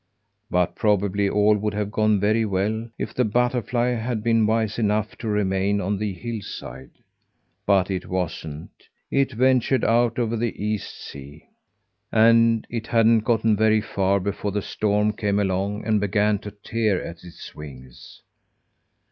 But probably all would have gone very well, if the butterfly had been wise enough to remain on the hillside. But it wasn't; it ventured out over the East sea. And it hadn't gotten very far before the storm came along and began to tear at its wings.